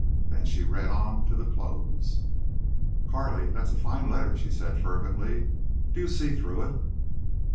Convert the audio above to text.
Then she read on to the close. "Carley, that's a fine letter," she said, fervently. "Do you see through it?"